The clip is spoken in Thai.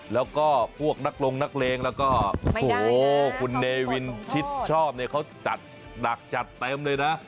แล้วก็พวกนักลงนักเลงแล้วก็โอ้โหคุณเนวินชิดชอบเนี่ยเขาจัดหนักจัดเต็มเลยนะ